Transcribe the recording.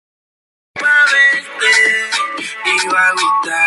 El rey Admeto se halla gravemente enfermo y próximamente morirá.